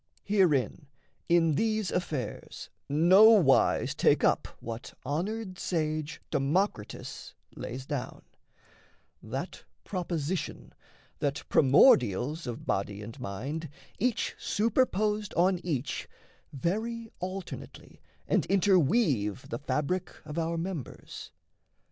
Herein in these affairs nowise take up What honoured sage, Democritus, lays down That proposition, that primordials Of body and mind, each super posed on each, Vary alternately and interweave The fabric of our members.